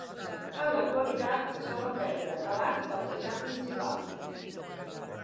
En l'actualitat se solen prendre abans del menjar principal.